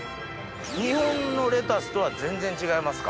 日本のレタスとは全然違いますか？